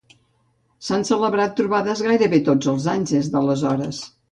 S'han celebrat trobades gairebé tots els anys des d'aleshores.